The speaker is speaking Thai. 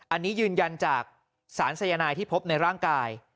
อันนี้ยืนยันจากสารสายนายที่พบในร่างกาย